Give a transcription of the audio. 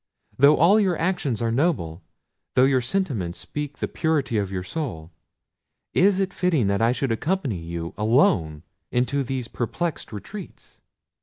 "Though all your actions are noble, though your sentiments speak the purity of your soul, is it fitting that I should accompany you alone into these perplexed retreats?